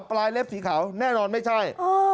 เล็บสีขาวแน่นอนไม่ใช่